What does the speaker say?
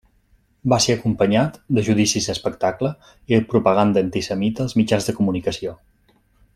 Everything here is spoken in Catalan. Va ser acompanyat de judicis espectacle i de propaganda antisemita als mitjans de comunicació.